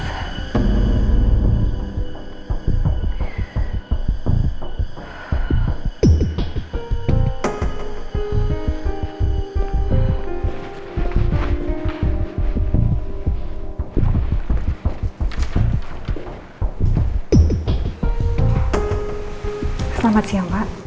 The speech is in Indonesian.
selamat siang pak